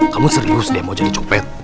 kamu serius dia mau jadi copet